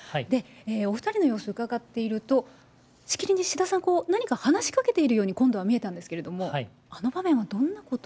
お２人の様子をうかがっていると、しきりに志田さん、こう、何か話しかけているように今度は見えたんですけれども、あの場面